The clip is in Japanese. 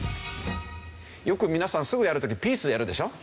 よく皆さんすぐピースやるでしょ。